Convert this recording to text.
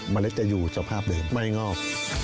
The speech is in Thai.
เล็ดจะอยู่สภาพเดิมไม่งอก